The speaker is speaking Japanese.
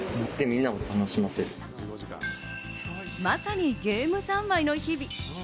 まさにゲーム三昧の日々。